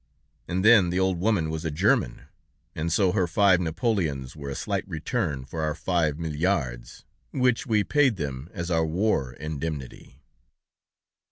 And then, the old woman was a German, and so her five napoleons were a slight return for our five milliards, which we paid them as our war indemnity.